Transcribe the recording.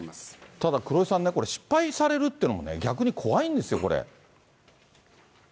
ただ黒井さんね、失敗されるってのも、逆に怖いんですよ、これ。